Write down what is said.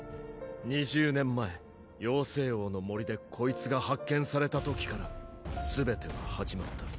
２０年前妖精王の森でこいつが発見されたときから全ては始まった。